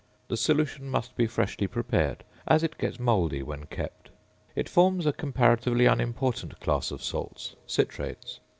The solution must be freshly prepared, as it gets mouldy when kept. It forms a comparatively unimportant class of salts (citrates).